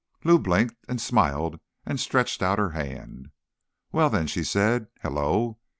Lou blinked, smiled and stretched out her hand. "Well, then," she said. "Hello.